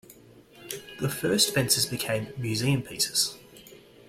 The first fences became museum pieces.